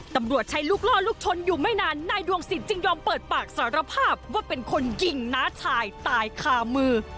ตำรวจใช้ลูกล่อลูกชนอยู่ไม่นานนายดวงสิทธิจึงยอมเปิดปากสารภาพว่าเป็นคนยิงน้าชายตายคามือ